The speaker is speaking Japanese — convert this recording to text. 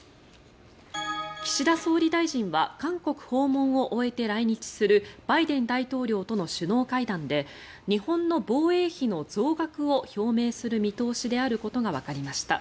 岸田総理大臣は韓国訪問を終えて来日するバイデン大統領との首脳会談で日本の防衛費の増額を表明する見通しであることがわかりました。